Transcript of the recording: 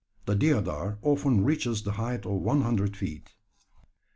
The deodar often reaches the height of one hundred feet.